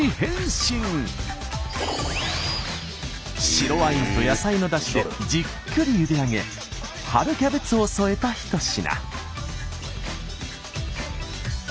白ワインと野菜のだしでじっくりゆであげ春キャベツを添えた一品。